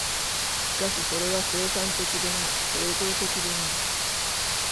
しかしそれは生産的でない、創造的でない。